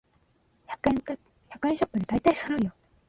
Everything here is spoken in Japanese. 百円ショップでだいたいそろう